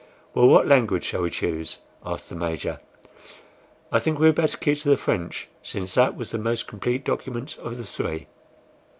"Well, what language shall we choose?" asked the Major. "I think we had better keep to the French, since that was the most complete document of the three."